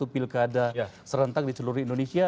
satu ratus tujuh puluh satu pilkada serentak di seluruh indonesia